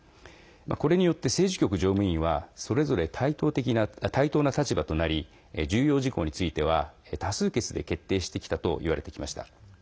これによって政治局常務委員はそれぞれ対等な立場となり重要事項については多数決で決定してきたといわれてきました。